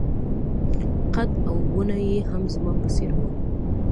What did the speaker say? قد او ونه يې هم زما په څېر وه.